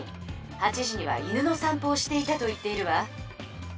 ８時には犬のさん歩をしていたと言っているわ。